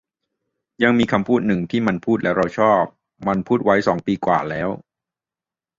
ยังมีคำพูดนึงที่มันพูดแล้วเราชอบ มันพูดไว้สองปีกว่าแล้ว